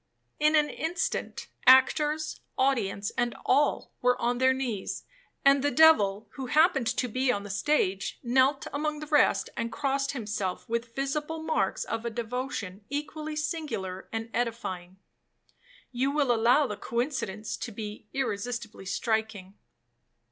In an instant, actors, audience, and all, were on their knees, and the devil, who happened to be on the stage, knelt among the rest, and crossed himself with visible marks of a devotion equally singular and edifying. You will allow the coincidence to be irresistibly striking.